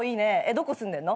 どこ住んでんの？